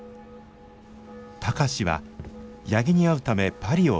貴司は八木に会うためパリを訪れました。